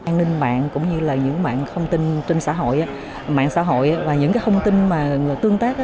an ninh mạng cũng như là những mạng thông tin trên xã hội mạng xã hội và những thông tin tương tác